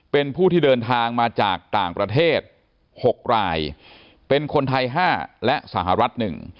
เป็นผู้ที่เดินทางมาจากต่างประเทศ๖รายเป็นคนไทย๕และสหรัฐ๑